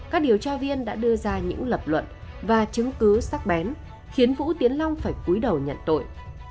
các điều tra viên đã đưa ra những lập luận và chứng cứ sắc bén khiến vũ tiến long phải cuối đầu nhận tội